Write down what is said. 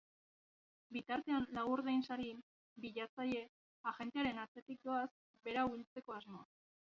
Bitartean, lau ordainsari bilatzaile, agentearen atzetik doaz, berau hiltzeko asmoz.